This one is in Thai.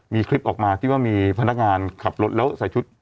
มีคลิปออกมาที่ว่ามีพนักงานขับรถแล้วใส่ชุด